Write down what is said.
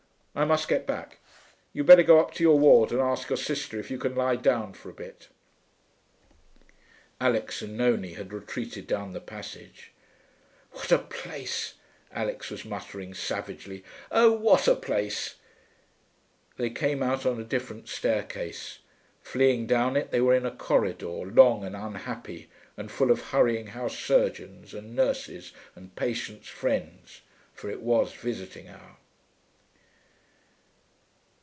I must get back. You'd better go up to your ward and ask your Sister if you can lie down for a bit.' Alix and Nonie had retreated down the passage. 'What a place,' Alix was muttering savagely. 'Oh, what a place.' They came out on a different staircase; fleeing down it they were in a corridor, long and unhappy and full of hurrying housesurgeons and nurses and patients' friends (for it was visiting hour).